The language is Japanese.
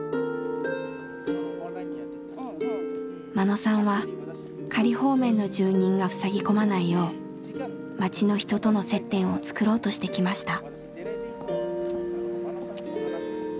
眞野さんは仮放免の住人がふさぎ込まないよう町の人との接点を作ろうとしてきました。